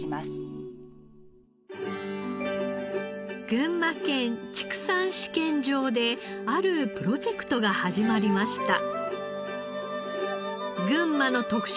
群馬県畜産試験場であるプロジェクトが始まりました。